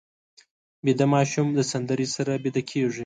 ویده ماشوم د سندرې سره ویده کېږي